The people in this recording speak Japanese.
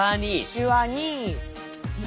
しわに？